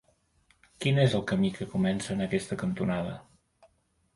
Quin és el camí que comença en aquesta cantonada?